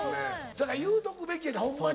せやから言うとくべきやでホンマに。